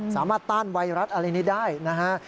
สามารถต้านไวรัสอะไรนี้ได้นะฮะ